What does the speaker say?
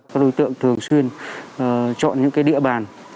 các đối tượng thường xuyên chọn những địa bàn